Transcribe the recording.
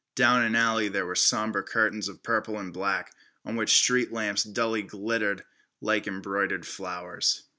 Down an alley there were somber curtains of purple and black, on which street lamps dully glittered like embroidered flowers.